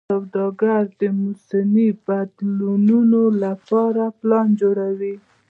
سوداګر د موسمي بدلونونو لپاره پلان جوړوي.